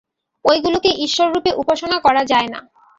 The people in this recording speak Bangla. ঐগুলিকে ঈশ্বররূপে উপাসনা করা যায় না।